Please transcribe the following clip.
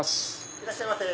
いらっしゃいませ。